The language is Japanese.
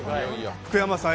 福山さん